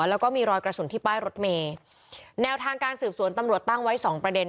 แล้วก็มีรอยกระสุนที่ป้ายรถเมย์แนวทางการสืบสวนตำรวจตั้งไว้สองประเด็น